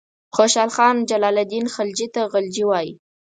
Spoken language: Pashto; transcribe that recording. خوشحال خان جلال الدین خلجي ته غلجي وایي.